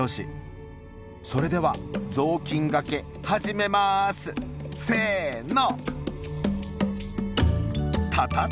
「それではぞうきんがけはじめまーすせーの」。